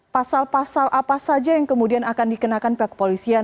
pasal pasal apa saja yang kemudian akan dikenakan pihak kepolisian